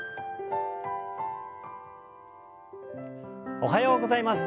おはようございます。